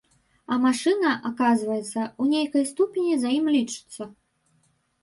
А машына, аказваецца, у нейкай ступені за ім лічыцца.